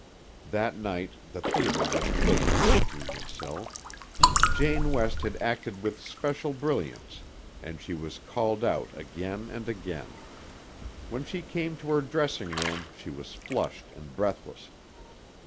That night the theater was late in emptying itself. Jane West had acted with especial brilliance and she was called out again and again. When she came to her dressing room she was flushed and breathless.